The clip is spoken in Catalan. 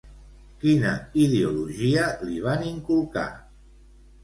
Quina ideologia li van inculcar?